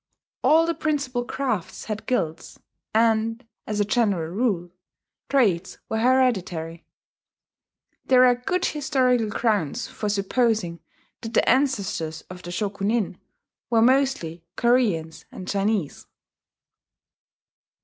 All the principal crafts had guilds; and, as a general rule, trades were hereditary. There are good historical grounds for supposing that the ancestors of the Shokunin were mostly Koreans and Chinese.